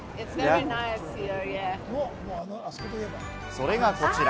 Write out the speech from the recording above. それが、こちら。